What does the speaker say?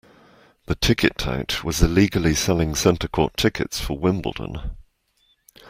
The ticket tout was illegally selling Centre Court tickets for Wimbledon